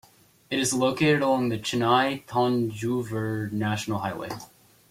It is located along the Chennai-Thanjavur National Highway.